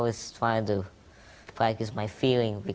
saya selalu berusaha untuk berusaha perasaan saya